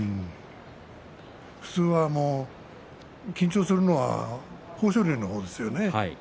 普通は緊張するのは豊昇龍の方ですよね。